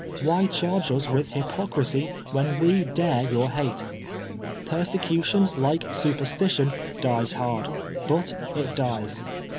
Why charge us with hypocrisy when we dare your hate? Persecution, like superstition, dies hard, but it dies..